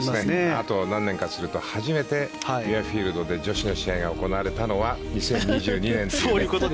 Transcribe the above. あと何年かすると初めてミュアフィールドで女子の試合が行われたのは２０２２年という。